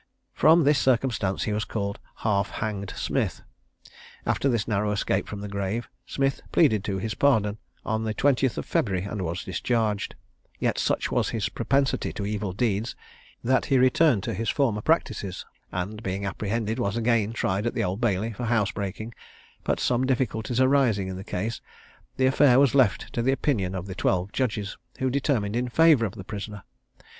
From this circumstance he was called "Half hanged Smith." After this narrow escape from the grave, Smith pleaded to his pardon on the 20th of February, and was discharged; yet such was his propensity to evil deeds, that he returned to his former practices, and, being apprehended, was again tried at the Old Bailey, for housebreaking; but some difficulties arising in the case, the affair was left to the opinion of the twelve judges, who determined in favour of the prisoner.